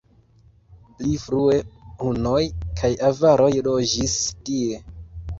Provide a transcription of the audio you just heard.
Pli frue hunoj kaj avaroj loĝis tie.